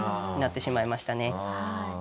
なってしまいましたね。